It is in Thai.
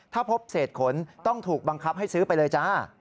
ถ้าพบเศษขนต้องถูกบังคับให้ซื้อไปเลยจ้า